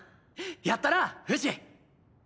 やったなフシ！